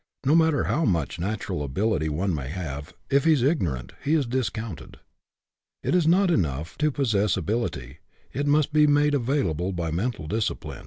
No matter how much natural ability one may have, if he is ignorant, he is discounted. It is not enough to possess ability, it must be made available by mental discipline.